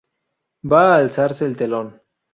Va a alzarse el telón.